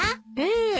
ええ。